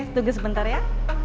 tunggu sebentar ya